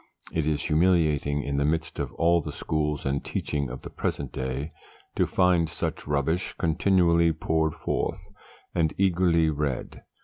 It is humiliating, in the midst of all the schools and teaching of the present day, to find such rubbish continually poured forth, and eagerly read.